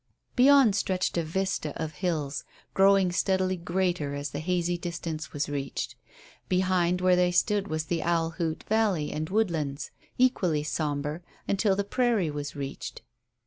Beyond stretched a vista of hills, growing steadily greater as the hazy distance was reached. Behind where they stood was the Owl Hoot valley and woodlands, equally sombre, until the prairie was reached.